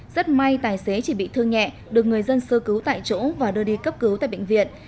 rất may tài xế chỉ bị thương nhẹ được người dân sơ cứu tại chỗ và đưa đi cấp cứu tại bệnh viện